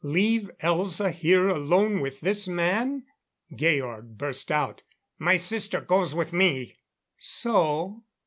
Leave Elza here alone with this man? Georg burst out: "My sister goes with me!" "So?"